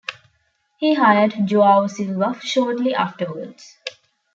He hired Joao Silva shortly afterwards.